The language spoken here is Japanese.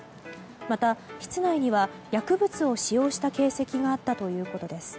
また室内には薬物を使用した形跡があったということです。